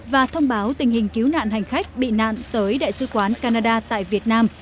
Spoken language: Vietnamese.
và thông báo tình hình cứu nạn hành khách bị nạn tới đại sứ quán canada tại việt nam